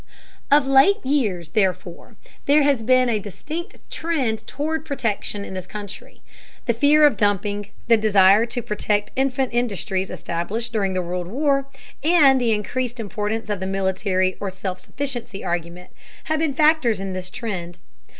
Of late years, therefore, there has been a distinct trend toward protection in this country. The fear of dumping, the desire to protect infant industries established during the World War, and the increased importance of the military or self sufficiency argument have been factors in this trend.